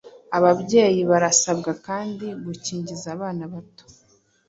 ababyeyi barasabwa kandi gukingiza abana bato